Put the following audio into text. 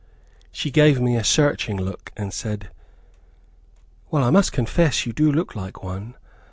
She gave me a searching look, and said, "Well, I must confess you do look like one.